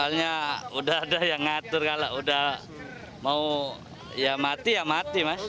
soalnya udah ada yang ngatur kalau udah mau ya mati ya mati mas